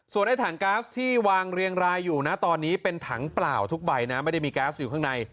ไอ้ถังก๊าซที่วางเรียงรายอยู่นะตอนนี้เป็นถังเปล่าทุกใบนะไม่ได้มีแก๊สอยู่ข้างใน